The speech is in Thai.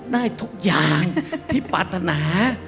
ได้ทุกอย่างที่ปรารถนา